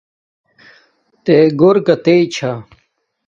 تے گھور کاتݵ ثھا